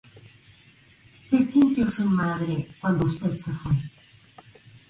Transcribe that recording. Repitió el papel en una actuación en una gala para la reina Victoria.